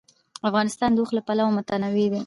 افغانستان د اوښ له پلوه متنوع دی.